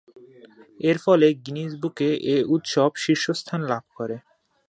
এরফলে গিনেস বুকে এ উৎসব শীর্ষস্থান লাভ করে।